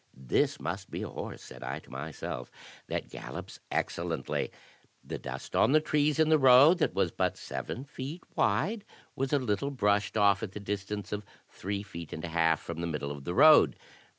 This must be a horse, said I to myself, that gallops excellently. The dust on the trees in the road that was but seven feet wide was a little brushed off, at the distance of three feet and a half from the middle of the road.